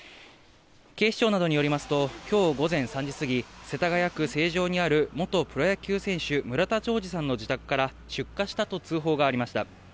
警視庁などによりますと、きょう午前３時過ぎ、世田谷区成城にある元プロ野球選手、村田兆治さんの自宅から、出火したと通報がありました。